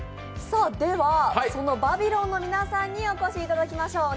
そのバビロンの皆さんにお越しいただきましょう。